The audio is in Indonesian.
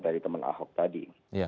dari teman ahok tadi